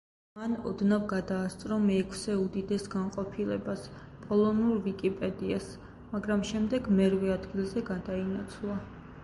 მან ოდნავ გადაასწრო მეექვსე უდიდეს განყოფილებას, პოლონურ ვიკიპედიას, მაგრამ შემდეგ მერვე ადგილზე გადაინაცვლა.